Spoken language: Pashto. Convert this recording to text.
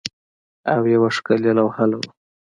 او یوه ښکلې لوحه لرو